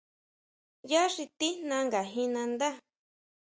Ya xi tijna nga jin nandá.